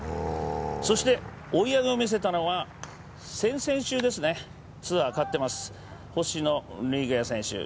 そして追い上げを見せたのは先々週ツアー勝ってます、星野陸也選手。